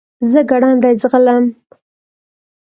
زه ګړندی ځغلم .